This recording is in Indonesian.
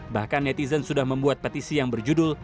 bahkan netizen sudah membuat petisi yang berjudul